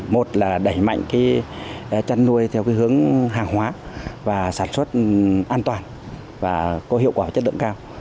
một là đẩy mạnh chân nuôi theo cái hướng hàng hoá và sản xuất an toàn và có hiệu quả chất lượng cao